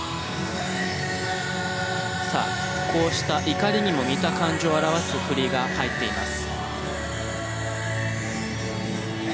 さあこうした怒りにも似た感情を表す振りが入っています。